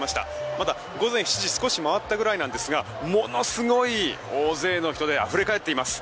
まだ午前７時を少し回ったぐらいなんですがものすごい大勢の人であふれ返っています。